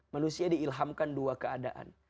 manusia diilhamkan dua keadaan